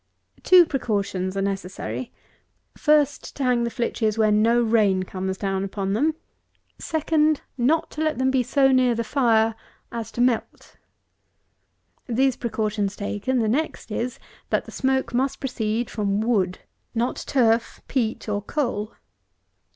Two precautions are necessary: first, to hang the flitches where no rain comes down upon them: second, not to let them be so near the fire as to melt. These precautions taken, the next is, that the smoke must proceed from wood, not turf, peat, or coal.